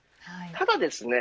ただですね